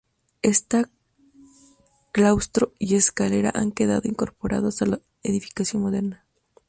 Esta claustro y escalera han quedado incorporados a la edificación moderna.